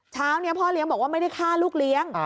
เช้านี้พ่อเลี้ยงบอกว่าไม่ได้ฆ่าลูกเลี้ยง